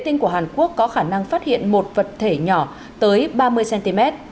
vệ tinh của hàn quốc có khả năng phát hiện một vật vật nhỏ tới ba mươi cm